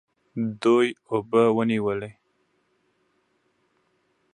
دوی اوبه ونیولې.